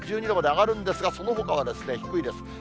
１２度まで上がるんですが、そのほかは低いです。